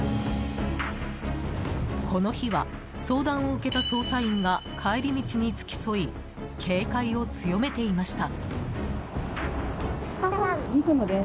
この日は相談を受けた捜査員が帰り道に付き添い警戒を強めていました。